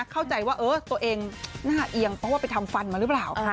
เข้าใจว่าเออตัวเองน่าเอียงเพราะว่าไปทำฟันมาหรือเปล่า